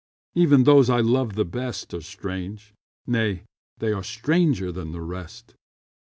Even those I loved the best Are strange—nay, they are stranger than the rest.